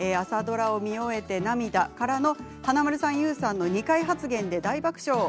朝ドラを見終えて涙からの華丸さん、ＹＯＵさんの煮たい発言で大爆笑。